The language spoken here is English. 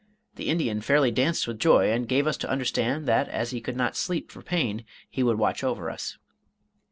The Indian fairly danced with joy, and gave us to understand that as he could not sleep for pain, he would watch over us.